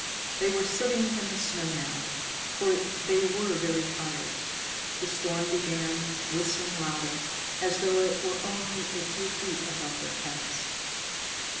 They were sitting in the snow now, for they were very tired. The storm began whistling louder, as though it were only a few feet above their heads.